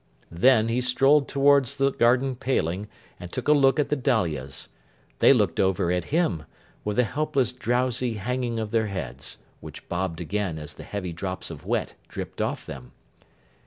Then, he strolled towards the garden paling, and took a look at the dahlias. They looked over at him, with a helpless drowsy hanging of their heads: which bobbed again, as the heavy drops of wet dripped off them.